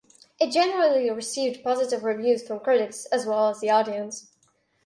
It generally received positive reviews from critics as well as the audience.